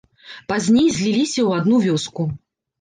Пазней зліліся ў адну вёску.